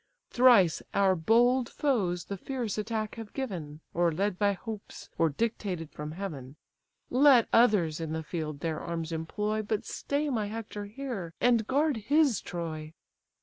Thrice our bold foes the fierce attack have given, Or led by hopes, or dictated from heaven. Let others in the field their arms employ, But stay my Hector here, and guard his Troy."